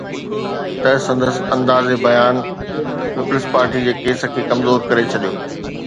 ته سندس انداز بيان پيپلز پارٽي جي ڪيس کي ڪمزور ڪري ڇڏيو